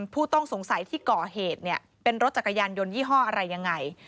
ผู้ต้องสงสัยที่ก่อเหตุเนี่ยเป็นรถจักรยานยนต์ยี่ห้ออะไรยังไง